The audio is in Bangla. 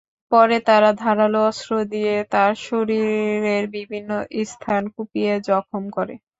পরে তারা ধারালো অস্ত্র দিয়ে তাঁর শরীরের বিভিন্ন স্থান কুপিয়ে জখম করে।